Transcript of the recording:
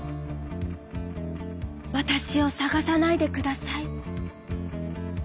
「わたしをさがさないでください」。